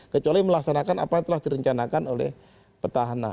kecuali melaksanakan apa yang telah direncanakan oleh petahana